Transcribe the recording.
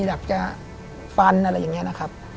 อยากจะฟันอะไรอย่างนี้นะครับ